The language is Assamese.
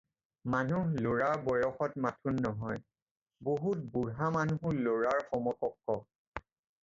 মানুহ "ল'ৰা" বয়সত মাথোন নহয়, বহুত বুঢ়া মানুহো ল'ৰাৰ সমকক্ষ।